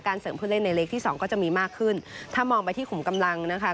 เสริมผู้เล่นในเล็กที่สองก็จะมีมากขึ้นถ้ามองไปที่ขุมกำลังนะคะ